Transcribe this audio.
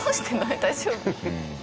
大丈夫？